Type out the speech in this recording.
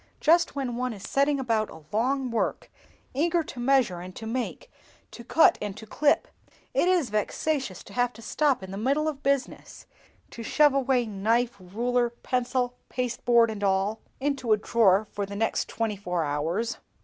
"Just when one is setting about a long work, eager to measure and to make, to cut and to clip, it is vexatious to have to stop in the middle of business, to shove away knife, ruler, pencil, pasteboard, and all, into a drawer for the next twenty four hours!"